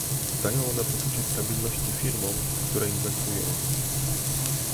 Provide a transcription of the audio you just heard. Dają one poczucie stabilności firmom, w które inwestują